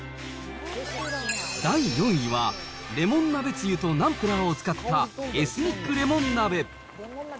第４位は、レモン鍋つゆとナンプラーを使ったエスニックレモン鍋。